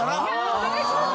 お願いします